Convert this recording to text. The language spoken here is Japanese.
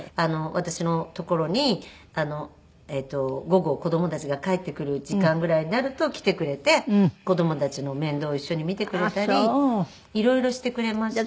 私のところに午後子供たちが帰ってくる時間ぐらいになると来てくれて子供たちの面倒を一緒に見てくれたり色々してくれました。